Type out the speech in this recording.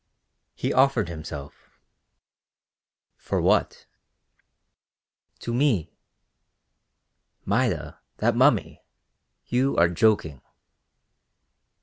"He offered himself." "For what?" "To me." "Maida, that mummy! You are joking."